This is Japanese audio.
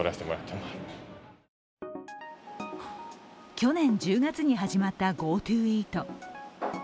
去年１０月に始まったＧｏＴｏイート。